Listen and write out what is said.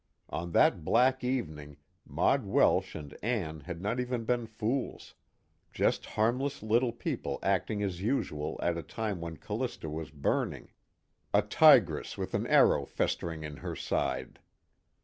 On that black evening Maud Welsh and Ann had not even been fools, just harmless little people acting as usual at a time when Callista was burning, a tigress with an arrow festering in her side.